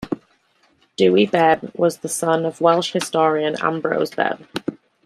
Dewi Bebb was the son of the Welsh historian Ambrose Bebb.